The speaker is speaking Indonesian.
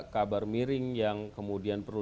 kabar miring yang kemudian perlu